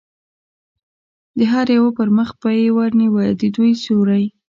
د هر یوه پر مخ به یې ور نیوه، د دوی سیوری.